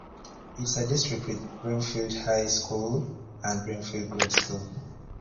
It is a district with Brimfield High School, and Brimfield Grade School.